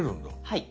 はい。